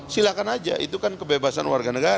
silahkan aja itu kan kebebasan warga negara